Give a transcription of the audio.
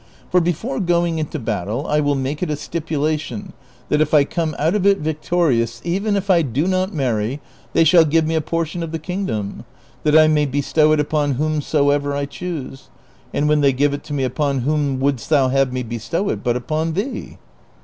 for before going into battle I will make it a stipulation that, if I come outofit victorious, even if I do not many, they shall give me a portion of the kingdom, that I may bestow it upon whomsoever I choose, and when they give it to me upon whom wouldst thou have me bestow it l)ut upon thee